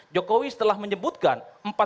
jokowi setelah menyebutkan